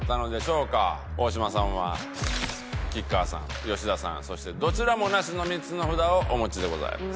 大島さんは吉川さん吉田さんそしてどちらもなしの３つの札をお持ちでございます。